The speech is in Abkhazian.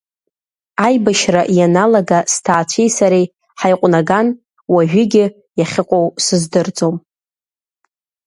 Аибашьра ианалага сҭаацәеи сареи ҳаиҟәнаган, уажәыгьы иахьыҟоу сыздырӡом…